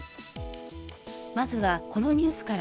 まずはこのニュースから。